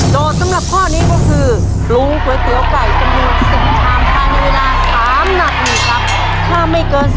โจทย์สำหรับข้อนี้ก็คือรูขุยเตี๋ยวไก่จำนวน๑๐ชามทางเวลา๓หนักหนึ่งครับ